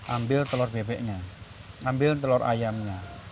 ambil telur bebeknya ambil telur ayamnya